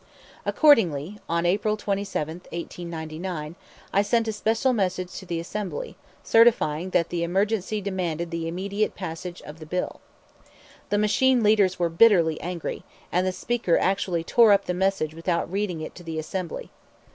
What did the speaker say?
Accordingly, on April 27, 1899, I sent a special message to the Assembly, certifying that the emergency demanded the immediate passage of the bill. The machine leaders were bitterly angry, and the Speaker actually tore up the message without reading it to the Assembly.